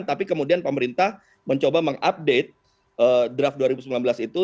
tapi kemudian pemerintah mencoba mengupdate draft dua ribu sembilan belas itu